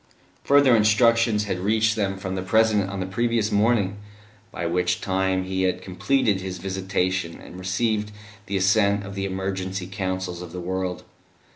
Further instructions had reached them from the President on the previous morning, by which time He had completed His visitation, and received the assent of the Emergency Councils of the world.